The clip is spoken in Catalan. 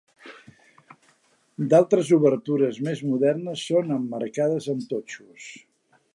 D'altres obertures més modernes són emmarcades amb totxos.